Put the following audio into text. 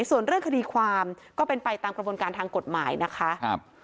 ส่วนเรื่องคดีความก็เป็นไปตามกระบวนการทางกฎหมายนะคะ